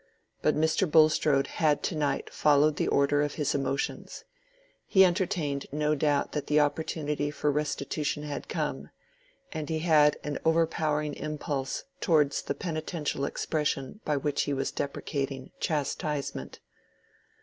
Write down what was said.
But Mr. Bulstrode had to night followed the order of his emotions; he entertained no doubt that the opportunity for restitution had come, and he had an overpowering impulse towards the penitential expression by which he was deprecating chastisement.